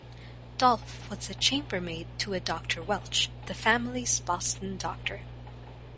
Dolph was the chamber maid to a Doctor Welch, the family's Boston doctor.